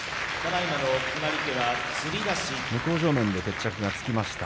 向正面で決着がつきました。